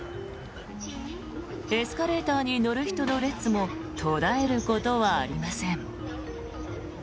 エスカレーターに乗る人の列も途絶えることはありません。